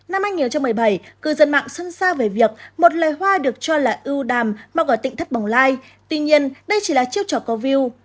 năm hai nghìn một mươi bảy cư dân mạng xân xa về việc một lời hoa được cho là ưu đàm mà gọi tỉnh thất bồng lai tuy nhiên đây chỉ là chiếc trỏ có view